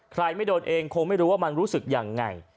ไม่โดนเองคงไม่รู้ว่ามันรู้สึกยังไง